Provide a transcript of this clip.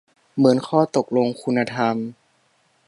เมินข้อตกลงคุณธรรม ?